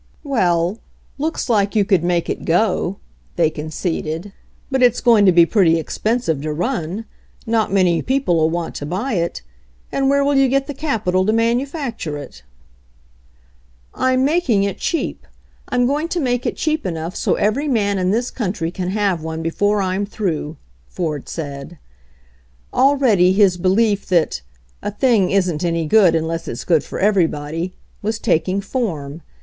"Well, looks like you could make it go," they conceded. "But it's going to be pretty expensive to run. Not many peopled want to buy it. And where will you get the capital to manufacture it?" "I'm making it cheap. I'm going to make it cheap enough so every man in this country can have one before I'm through," Ford said. Already his "belief that "a thing isn't any good unless it's good for everybody" was taking form.